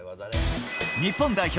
日本代表